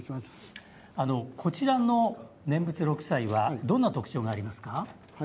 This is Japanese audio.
こちらの念仏六斎はどんな特徴がありますか。